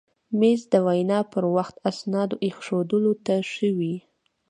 مېز د وینا پر وخت اسنادو ایښودلو ته ښه وي.